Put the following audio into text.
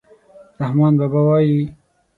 رحمان بابا وایي: